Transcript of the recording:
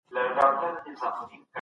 عمل وکړئ او پایله خدای ته پریږدئ.